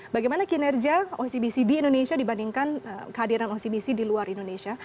bagaimana kinerja ocbc di indonesia dibandingkan kehadiran ocbc di luar indonesia